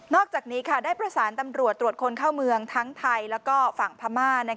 อกจากนี้ได้ประสานตำรวจตรวจคนเข้าเมืองทั้งไทยและฝั่งพม่า